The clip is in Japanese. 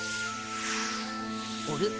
あれ？